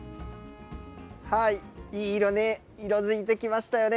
いい色に色づいてきましたよね。